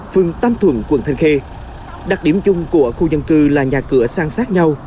phương tâm thuận quận thành khê đặc điểm chung của khu dân cư là nhà cửa sang sát nhau